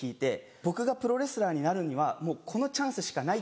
僕がプロレスラーになるにはこのチャンスしかないっていう。